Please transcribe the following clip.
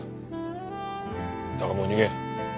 だがもう逃げん。